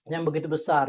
yang begitu bersempurna